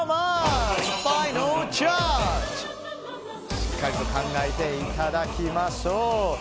しっかりと考えていただきましょう。